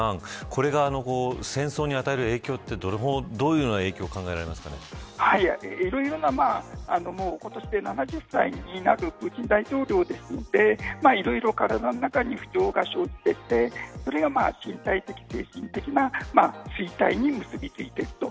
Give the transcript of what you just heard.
これが戦争に与える影響はどのような影響が今年で７０歳になるプーチン大統領ですのでいろいろ体の中に不調が生じていてそれが身体的、精神的な衰退に結びついていると。